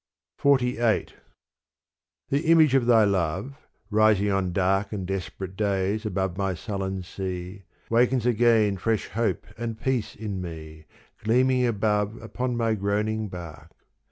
XLVIII The image of thy love, rising on dark And desperate days above my sullen sea Wakens again fresh hope and peace in me, Gleaming above upon my groaning bark.